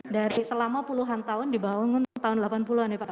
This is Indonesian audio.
dari selama puluhan tahun dibangun untuk tahun delapan puluh an ya pak